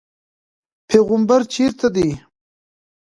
پیغمبر چېرته دی.